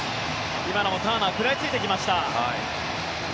今のもターナー食らいついてきました。